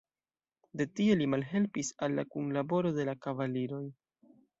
De tie li malhelpis al la kunlaboro de la kavaliroj.